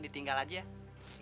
ditinggal aja ya